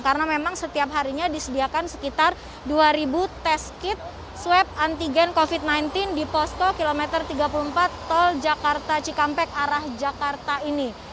karena memang setiap harinya disediakan sekitar dua tes kit swab antigen covid sembilan belas di posko kilometer tiga puluh empat tol jakarta cikampek arah jakarta ini